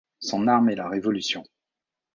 Son arme est la révolution.